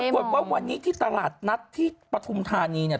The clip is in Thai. บอกว่าวันนี้ที่ตลาดนัดที่ปฐุมธานีเนี่ย